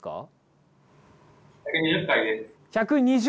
１２０！